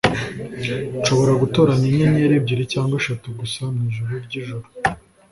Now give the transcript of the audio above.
Nshobora gutoranya inyenyeri ebyiri cyangwa eshatu gusa mwijuru ryijoro